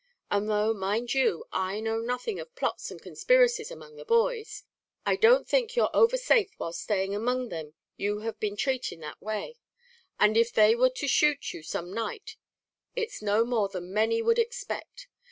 And though, mind you, I know nothing of plots and conspiracies among the boys, I don't think you're over safe whilst staying among thim you have been trating that way; and if they were to shoot you some night, it's no more than many would expect.